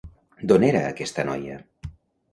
D'on era aquesta noia?